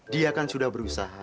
dia kan sudah berusaha